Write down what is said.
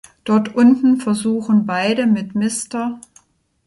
Dort unten versuchen beide mit Mr.